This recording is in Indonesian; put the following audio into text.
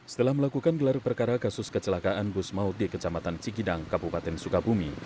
setelah melakukan gelar perkara kasus kecelakaan bus maut di kecamatan cikidang kabupaten sukabumi